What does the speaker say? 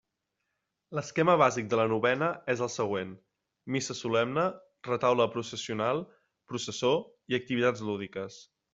L'esquema bàsic de la novena és el següent: missa solemne, retaule processional, processó i activitats lúdiques.